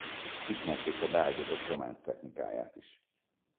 Ismerték a beágyazott zománc technikáját is.